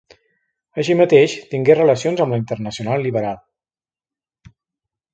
Així mateix, tingué relacions amb la Internacional Liberal.